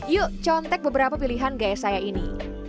yuk contek beberapa pilihan gaya saya ini